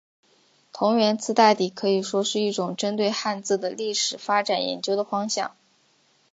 同源词大抵可以说是一种针对汉字的历史发展研究的方法。